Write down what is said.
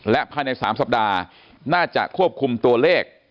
และภายใน๓สัปดาห์น่าจะควบคุมตัวเลข